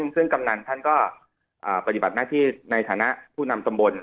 ซึ่งกำนันท่านก็ปฏิบัติหน้าที่ในฐานะผู้นำตำบล